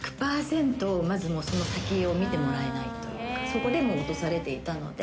「そこで落とされていたので」